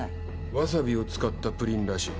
わさびを使ったプリンらしい。